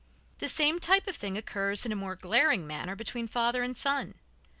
The same type of thing occurs in a more glaring manner between father and son.